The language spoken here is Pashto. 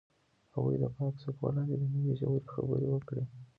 هغوی د پاک څپو لاندې د مینې ژورې خبرې وکړې.